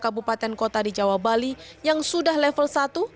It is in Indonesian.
kabupaten kota di jawa bali yang sudah level satu